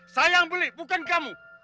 saya yang beli bukan kamu